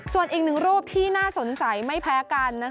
ส่วนอีกหนึ่งรูปที่น่าสนใจไม่แพ้กัน